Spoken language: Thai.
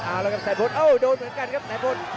เอ้าแล้วก็แสนพลนโอ้โหโดนเหมือนกันครับแสนพลน